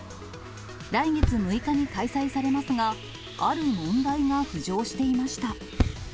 来月６日に開催されますが、ある問題が浮上していました。